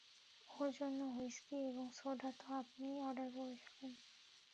ওর জন্য হুইস্কি এবং সোডা তো আপনিই অর্ডার করেছিলেন।